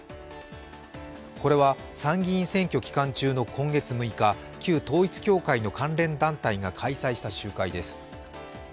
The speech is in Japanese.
これは参議院選挙期間中の今月６日旧統一教会の関連団体が開催した集会です。